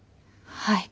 はい。